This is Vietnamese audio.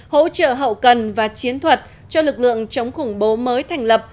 hỗ trợ hậu cần và chiến thuật cho lực lượng chống khủng bố mới thành lập